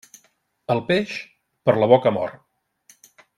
El peix, per la boca mor.